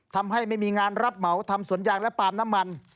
ทำให้ไม่มีงานรับเหมาทำสวนยางและปาล์มน้ำมัน